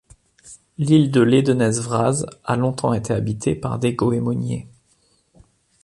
L'île de Ledenez Vraz a longtemps été habitée par des goémoniers.